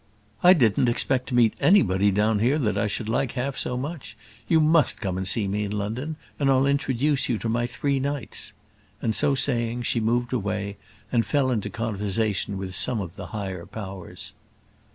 I didn't expect to meet anybody down here that I should like half so much. You must come and see me in London, and I'll introduce you to my three knights," and so saying, she moved away and fell into conversation with some of the higher powers.